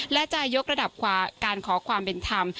และจะยกระดับการขอความเป็นธรรม